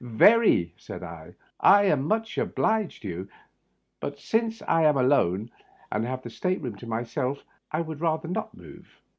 "Very," said I; "I am much obliged to you. But since I am alone, and have the state room to myself, I would rather not move.